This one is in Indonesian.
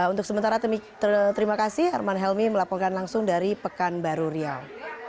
untuk sementara terima kasih arman helmi melaporkan langsung dari pekanbaru riau